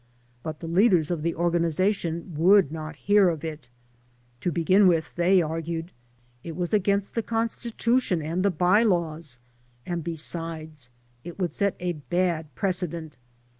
But the leaders of the organization would not hear of it. To begin with, they argued, it was against the constitution and the by laws, and, besides, it would set a bad prece dent.